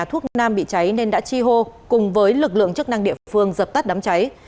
thuốc nam bị cháy nên đã chi hô cùng với lực lượng chức năng địa phương dập tắt đám cháy